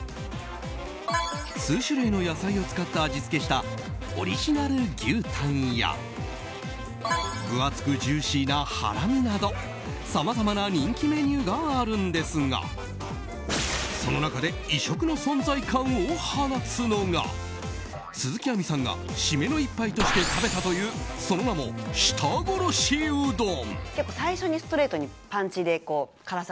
数種類の野菜を使って味付けしたオリジナル牛タンや分厚くジューシーなハラミなどさまざまな人気メニューがあるんですがその中で異色の存在感を放つのが鈴木亜美さんが締めの一杯として食べたというその名も、舌殺しうどん。